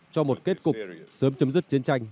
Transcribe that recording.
cho một kết cục sớm chấm dứt